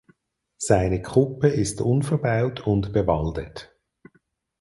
Seine Kuppe ist unverbaut und bewaldet.